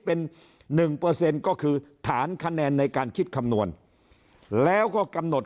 เป็น๑ก็คือฐานคะแนนในการคิดคำนวณแล้วก็กำหนด